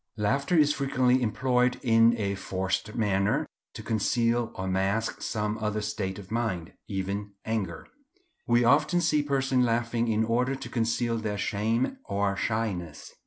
Laughter is frequently employed in a forced manner to conceal or mask some other state of mind, even anger. We often see persons laughing in order to conceal their shame or shyness.